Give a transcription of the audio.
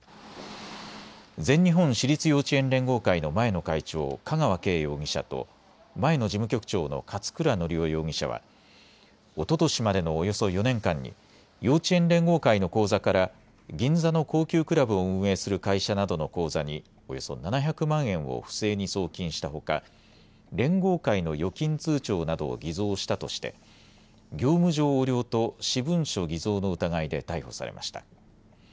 全日本私立幼稚園連合会の前の会長、香川敬容疑者と前の事務局長の勝倉教雄容疑者はおととしまでのおよそ４年間に幼稚園連合会の口座から銀座の高級クラブを運営する会社などの口座におよそ７００万円を不正に送金したほか、連合会の預金通帳などを偽造したとして業務上横領と私文書偽造の疑いで逮捕されました。